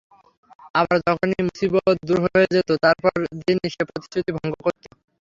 আবার যখনই মুসীবত দূর হয়ে যেত, তারপর দিনই সে প্রতিশ্রুতি ভঙ্গ করত।